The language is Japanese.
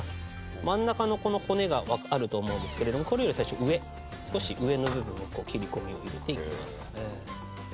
真ん中の骨があると思うんですけれどもこれより最初上少し上の部分を切り込みを入れていきます。